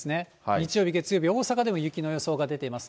日曜日、月曜日、大阪でも雪の予想が出ています。